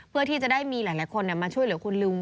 เพื่อที่จะได้มีหลายคนมาช่วยเหลือคุณลุง